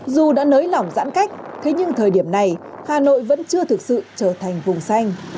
dù đã nới lỏng giãn cách thế nhưng thời điểm này hà nội vẫn chưa thực sự trở thành vùng xanh